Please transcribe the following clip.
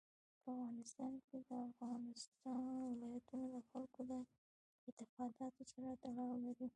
په افغانستان کې د افغانستان ولايتونه د خلکو د اعتقاداتو سره تړاو لري.